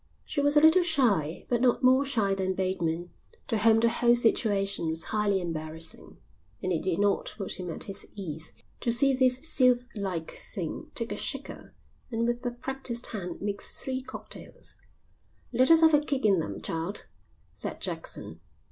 She was a little shy, but not more shy than Bateman, to whom the whole situation was highly embarrassing, and it did not put him at his ease to see this sylph like thing take a shaker and with a practised hand mix three cocktails. "Let us have a kick in them, child," said Jackson.